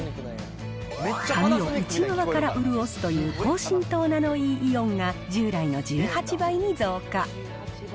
髪を内側から潤すという高浸透ナノイーイオンが、従来の１８倍に増加。